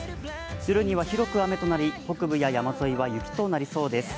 夜には広く雨となり北部や山沿いは雪となりそうです。